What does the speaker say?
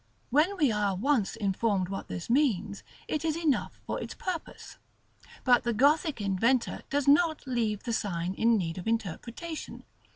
When we are once informed what this means, it is enough for its purpose; but the Gothic inventor does not leave the sign in need of interpretation.